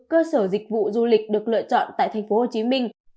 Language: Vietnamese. cơ sở dịch vụ du lịch được lựa chọn tại tp hcm